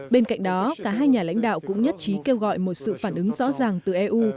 bên cạnh đó cả hai nhà lãnh đạo cũng nhất trí kêu gọi một sự phản ứng rõ ràng từ eu